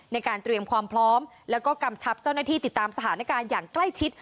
ในการเตรียมความพร้อมแล้วก็กำชับเจ้าหน้าที่ติดตามสถานการณ์อย่างใกล้ชิด